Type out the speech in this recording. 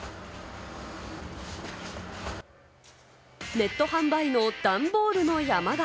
ネット販売のダンボールの山が。